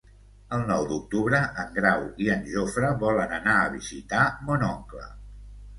El nou d'octubre en Grau i en Jofre volen anar a visitar mon oncle.